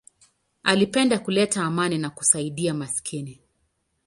Alipenda kuleta amani na kusaidia maskini.